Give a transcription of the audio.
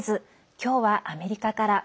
今日はアメリカから。